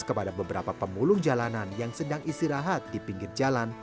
kepada beberapa pemulung jalanan yang sedang istirahat di pinggir jalan